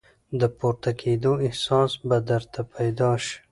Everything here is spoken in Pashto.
د پورته کېدو احساس به درته پیدا شي !